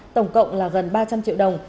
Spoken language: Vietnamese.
tổng cộng là gần ba trăm linh triệu đồng